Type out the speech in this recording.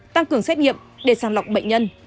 tăng cường xét nghiệm để sàng lọc bệnh nhân